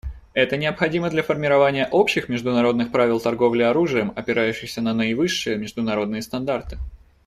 Это необходимо для формирования общих международных правил торговли оружием, опирающихся на наивысшие международные стандарты.